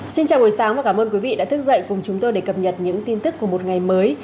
xin chào buổi sáng và cảm ơn quý vị đã thức dậy cùng chúng tôi để cập nhật những tin tức của một ngày mới